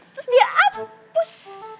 terus dia hapus